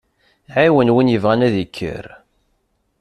Ɛiwen win ibɣan ad ikker.